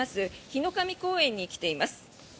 火之神公園に来ています。